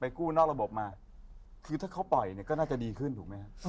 กู้นอกระบบมาคือถ้าเขาปล่อยเนี่ยก็น่าจะดีขึ้นถูกไหมครับ